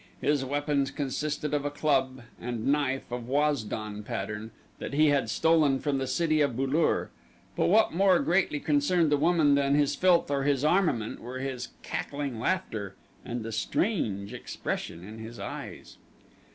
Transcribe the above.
His weapons consisted of a club and knife of Waz don pattern, that he had stolen from the city of Bu lur; but what more greatly concerned the woman than his filth or his armament were his cackling laughter and the strange expression in his eyes.